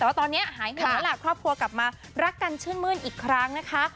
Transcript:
แต่ว่าตอนนี้หายห่วงแล้วล่ะครอบครัวกลับมารักกันชื่นมื้นอีกครั้งนะคะ